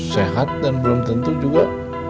sehat dan belum tentu juga